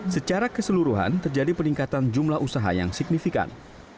secara keseluruhan terjadi peningkatan jumlah usaha yang signifikan